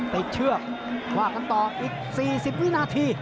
เชือกว่ากันต่ออีก๔๐วินาที